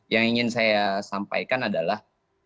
yang ingin saya sampaikan adalah